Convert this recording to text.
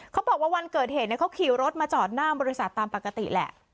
เขาบอกว่าวันเกิดเหตุเขาขี่รถมาจอดหน้าบริษัทตามปกติแหละ